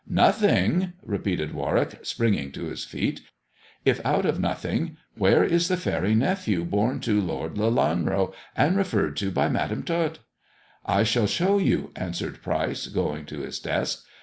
" Nothing !" repeated Warwick, springing to his feet. "If out of nothing, where is the faery nephew born to Lord Lelanro and referred to by Madam Tot 1 " I shall show you," answered Pryce, going to his desk.